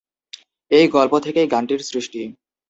এই গল্প থেকেই গানটির সৃষ্টি।